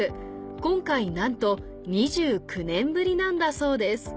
今回なんと２９年ぶりなんだそうです